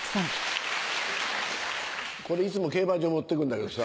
これいつも競馬場持ってくんだけどさ。